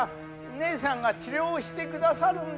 ねえさんが治療してくださるんで。